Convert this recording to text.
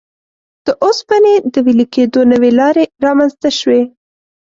د اوسپنې د وېلې کېدو نوې لارې رامنځته شوې.